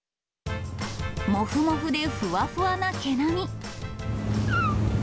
もふもふでふわふわな毛並み。